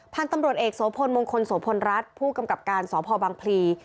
พันธุ์ตำรวจเอกโสพลมงคลโสพลรัฐผู้กำกับการสพบังพลี